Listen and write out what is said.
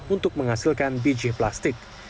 untuk menghasilkan bijih plastik